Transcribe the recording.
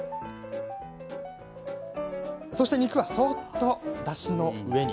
そして肉は、そっとだしの上に。